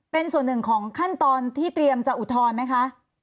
เป็นส่วนหนึ่งของขั้นตอนที่เตรียมจะอุทธรณ์ไหมคะ